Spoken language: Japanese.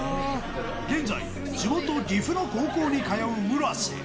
現在、地元、岐阜の高校に通う村瀬。